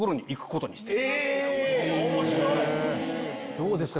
どうですか？